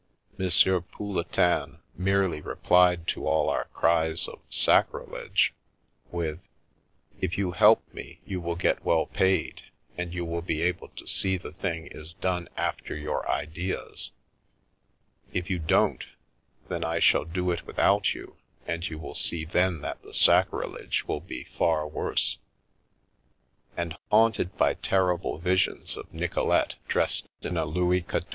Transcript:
M. Pouletin merely replied to all our cries of " Sacrilege! " with: " If you help me you will get well paid, and you will be able to see the thing is done after your ideas. If you don't, then I shall do it without you, and you will see then that the sacrilege will be far worse." And, haunted by terrible visions of Nic olete dressed in a Louis XIV.